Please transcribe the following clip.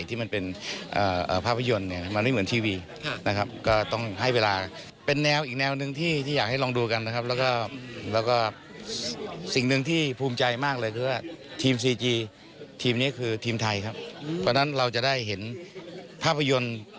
ที่ผลิตโดยคนไทย